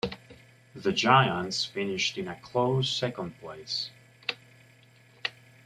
The Giants finished in a close second place.